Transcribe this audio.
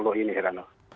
sejauh ini herano